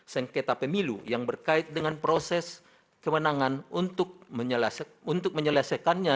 sengketa pemilu yang berkait dengan proses kemenangan untuk menyelesaikannya